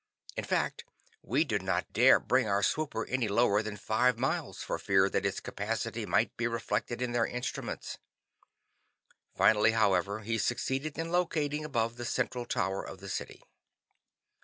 In fact, we did not dare bring our swooper any lower than five miles for fear that its capacity might be reflected in their instruments. Finally, however, he succeeded in locating above the central tower of the city.